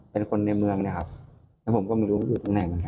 เป็นคนในเมืองเนี่ยครับแล้วผมก็ไม่รู้ว่าอยู่ตรงไหนเหมือนกัน